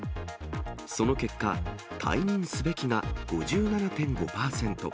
その結果、退任すべきが５７．５％。